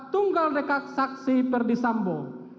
tunggal dekat saksi perdisambo